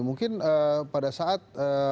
mungkin pada saat